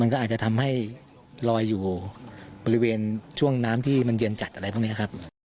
ก็อาจจะทำให้ลอยอยู่บริเวณช่วงน้ำที่มันเย็นจัดอะไรพวกนี้ครับ